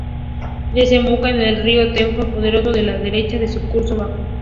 Desemboca en el río Tunguska Pedregoso por la derecha, en su curso bajo.